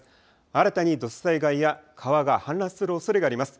新たに土砂災害や川が氾濫するおそれがあります。